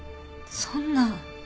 そんな。